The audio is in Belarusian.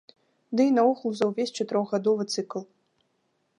Ды і наогул за ўвесь чатырохгадовы цыкл.